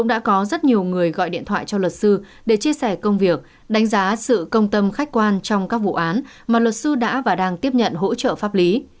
đã có rất nhiều người gọi điện thoại cho luật sư để chia sẻ công việc đánh giá sự công tâm khách quan trong các vụ án mà luật sư đã và đang tiếp nhận hỗ trợ pháp lý